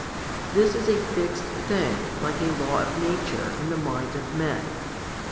This is a fixed thing, like a law of nature, in the mind of men.